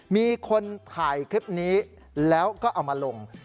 มีคนถ่ายคลิปนี้แล้วก็เอามาลง